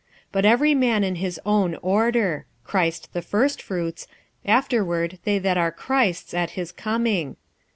46:015:023 But every man in his own order: Christ the firstfruits; afterward they that are Christ's at his coming.